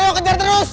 ayo kejar terus